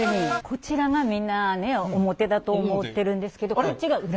こちらがみんなね表だと思ってるんですけど裏。